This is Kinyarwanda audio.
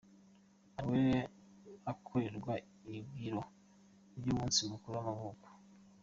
Anaelle akorerwa ibiro by'umunsi mukuru w'amavuko .